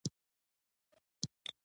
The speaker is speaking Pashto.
چې د لبنان او سيمي عامه خلک